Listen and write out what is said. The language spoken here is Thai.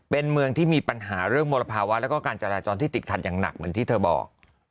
เป็นเมืองที่มีปัญหาเรื่องมลภาวะแล้วก็การจราจรที่ติดขัดอย่างหนักเหมือนที่เธอบอก